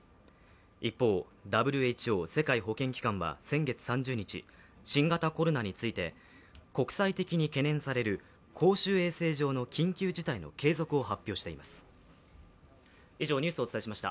一方、ＷＨＯ＝世界保健機関は先月３０日新型コロナについて、国際的に懸念される、公衆衛生上の緊急事態の継続を発表しています。